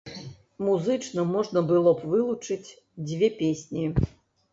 Музычна можна было б вылучыць дзве песні.